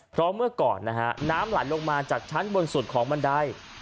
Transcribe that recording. เพราะเมื่อก่อนนะฮะน้ำไหลลงมาจากชั้นบนสุดของบันได